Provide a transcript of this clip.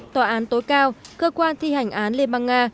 tòa án tối cao cơ quan thi hành án liên bang nga